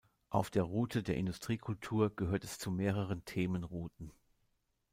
Auf der Route der Industriekultur gehört es zu mehreren Themenrouten.